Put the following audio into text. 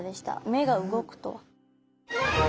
目が動くとは。